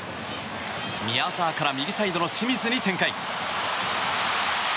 宮澤から右サイドの清水に展開。